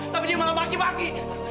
tapi dia malah maki maki